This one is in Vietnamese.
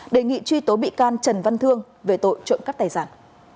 đề nghị truy tố bị can trần văn thương về tội trộm cắp tài sản